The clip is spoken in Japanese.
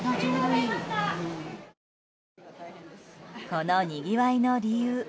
このにぎわいの理由。